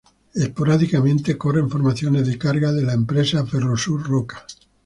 Esporádicamente corren formaciones de carga de la empresa Ferrosur Roca.